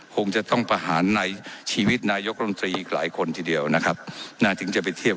คงจะต้องประหารในชีวิตนายกรมตรีอีกหลายคนทีเดียวนะครับน่าถึงจะไปเทียบ